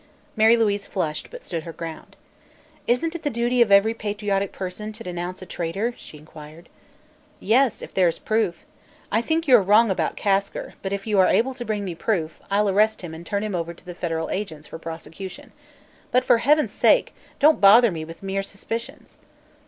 Mary Louise flushed but stood her ground. "Isn't it the duty of every patriotic person to denounce a traitor?" she inquired. "Yes, if there is proof. I think you are wrong about Kasker, but if you are able to bring me proof, I'll arrest him and turn him over to the federal agents for prosecution. But, for heaven's sake, don't bother me with mere suspicions."